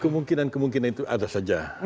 kemungkinan kemungkinan itu ada saja